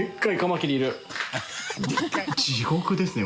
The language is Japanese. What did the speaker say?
地獄ですね